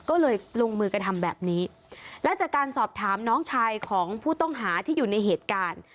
ก็เลยลงมือกระทำแบบนี้และจากการสอบถามน้องชายของผู้ต้องหาที่อยู่ในเหตุการณ์